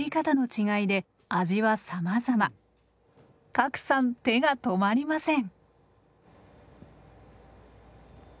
加来さん手が止まりません。